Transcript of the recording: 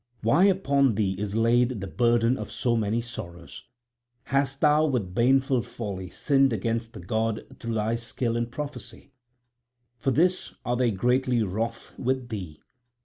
Why upon thee is laid the burden of so many sorrows? Hast thou with baneful folly sinned against the gods through thy skill in prophecy? For this are they greatly wroth with thee?